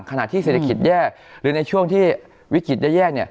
ขณะที่เศรษฐกิจแย่หรือในช่วงที่วิกฤตแย่